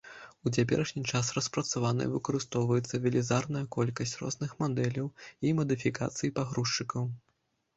У цяперашні час распрацавана і выкарыстоўваецца велізарная колькасць розных мадэляў і мадыфікацый пагрузчыкаў.